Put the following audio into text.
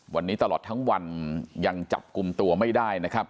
วันนี้ตลอดทั้งวันยังจับกลุ่มตัวไม่ได้นะครับ